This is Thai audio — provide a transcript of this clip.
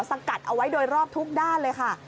สกัดเอาไว้โดยรอบทุกด้านเลยค่ะ